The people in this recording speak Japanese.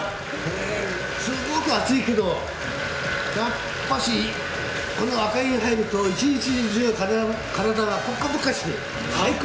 すごく熱いけど、やっぱりこの赤湯に入ると一日中、体がぽっかぽかしてる、最高。